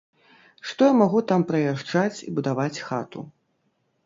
Што я магу там прыязджаць і будаваць хату.